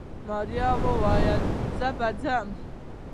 ماريا وويل زه به ځم.